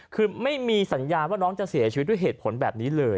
คือไม่มีสัญญาว่าน้องจะเสียชีวิตด้วยเหตุผลแบบนี้เลย